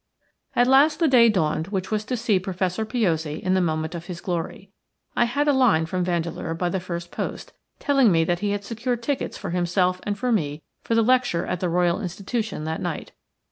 At last the day dawned which was to see Professor Piozzi in the moment of his glory. I had a line from Vandeleur by the first post, telling me that he had secured tickets for himself and for me for the lecture at the Royal Institution that night.